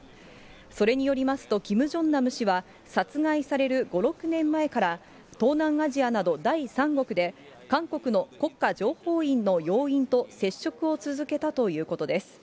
それによりますと、キム・ジョンナム氏は、殺害される５、６年前から、東南アジアなど第三国で、韓国の国家情報院の要員と接触を続けたということです。